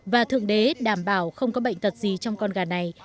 và thượng đế đảm bảo không có bệnh tật gì trong con gà này